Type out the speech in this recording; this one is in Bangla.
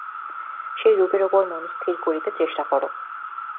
সেই রূপের উপর মন স্থির করিতে চেষ্টা কর।